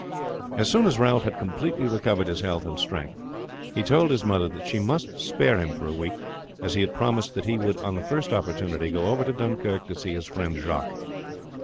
As soon as Ralph had completely recovered his health and strength he told his mother that she must spare him for a week, as he had promised that he would on the first opportunity go over to Dunkirk to see his friend Jacques.